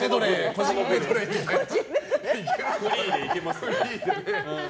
フリーでいけますよ。